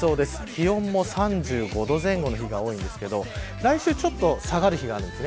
気温も３５度前後の日が多いですが来週ちょっと下がる日があります